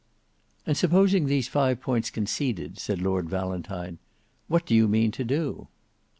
"And supposing these five points conceded," said Lord Valentine, "what do you mean to do?"